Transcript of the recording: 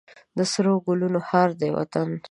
د سرو ګلونو هار دی وطن.